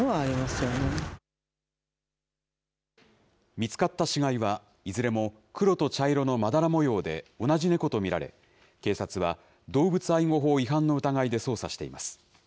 見つかった死骸は、いずれも黒と茶色のまだら模様で同じ猫と見られ、警察は、動物愛護法違反の疑いで捜査しています。